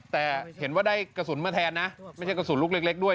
แต่เห็นว่าได้กระสุนมาแทนนะไม่ใช่กระสุนลูกเล็กด้วย